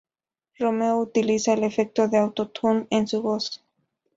Romeo utiliza el efecto de Auto-Tune en su voz.